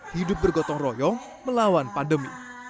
hidup bergotong royong melawan pandemi